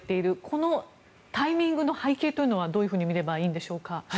このタイミングの背景というのはどう見ればいいんでしょうか。